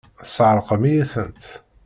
Tesεeṛqem-iyi-tent!